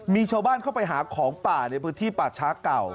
มีชาวบ้านเข้าไปหาของป่าในพื้นที่ป่าช้าเก่า